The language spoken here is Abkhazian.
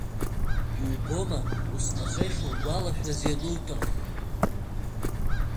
Иубома уасҟацәа ишугәалашәаз иануҭахха!